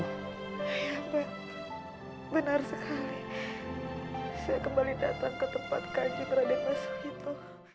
ya ben benar sekali saya kembali datang ke tempat kanjeng raden mas wito